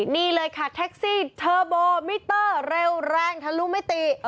นี่เลยค่ะแท็กซี่เทอร์โบมิเตอร์เร็วแรงทะลุมิติ